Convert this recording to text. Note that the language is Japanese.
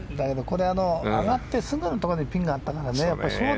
上がってすぐのところにピンがあったからね。